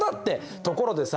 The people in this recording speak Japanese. ところでさ